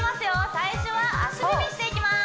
最初は足踏みしていきます